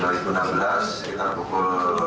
kemudian mendapatkan akun tersebut